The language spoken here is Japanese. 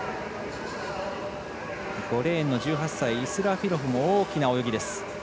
５レーンの１８歳イスラフィロフも大きな動き。